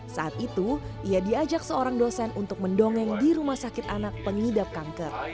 saat itu ia diajak seorang dosen untuk mendongeng di rumah sakit anak pengidap kanker